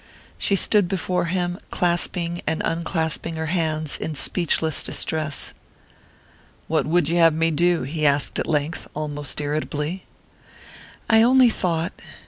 She stood before him, clasping and unclasping her hands in speechless distress. "What would you have me do?" he asked at length, almost irritably. "I only thought...